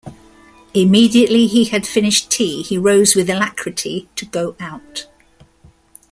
Immediately he had finished tea he rose with alacrity to go out.